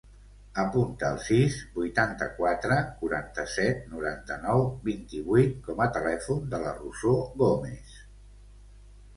Apunta el sis, vuitanta-quatre, quaranta-set, noranta-nou, vint-i-vuit com a telèfon de la Rosó Gomez.